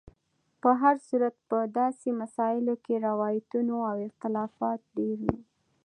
په هر صورت په داسې مسایلو کې روایتونو او اختلافات ډېر وي.